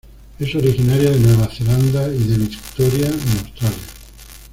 Es originaria de Nueva Zelanda y de Victoria en Australia.